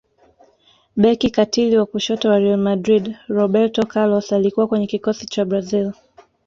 beki katili wa kushoto wa real madrid roberto carlos alikuwa kwenye kikosi cha brazil